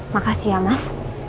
makasih ya mas